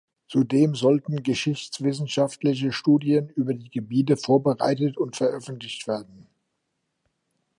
Zudem sollten geschichtswissenschaftliche Studien über die Gebiete vorbereitet und veröffentlicht werden.